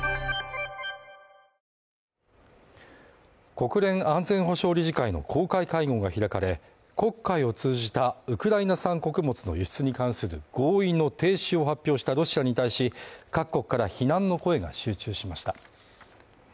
国連安全保障理事会の公開会合が開かれ、黒海を通じたウクライナ産穀物の輸出に関する合意の停止を発表したロシアに対し、各国から非難の声が集中しました。